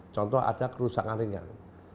contoh ada kerusakan ringan